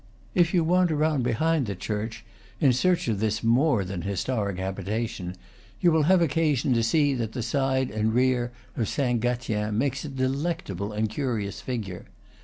If you wander round behind the church, in search of this more than historic habitation, you will have oc casion to see that the side and rear of Saint Gatien make a delectable and curious figure.